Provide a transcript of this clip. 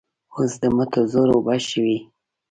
اوس د مټو زور اوبه شوی.